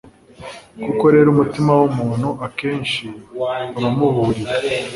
koko rero, umutima w'umuntu akenshi uramuburira